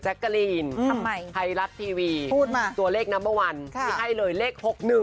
แจ๊กกาลีนไทรัสทีวีตัวเลขนัมเบอร์๑ไม่ให้เลยเลข๖๑